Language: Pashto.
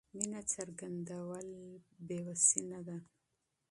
مینه څرګندول کمزوري نه ده.